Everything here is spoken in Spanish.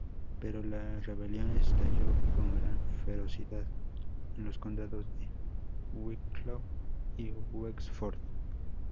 Pero la rebelión estalló con gran ferocidad en los condados de Wicklow y Wexford.